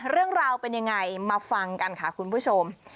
เรื่องราวเป็นยังไงมาฟังกันค่ะคุณผู้ชม